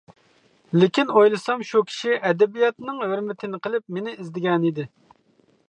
لېكىن ئويلىسام شۇ كىشى ئەدەبىياتنىڭ ھۆرمىتىنى قىلىپ مېنى ئىزدىگەنىدى.